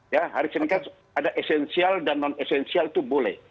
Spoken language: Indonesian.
ya hari senin kan ada esensial dan non esensial itu boleh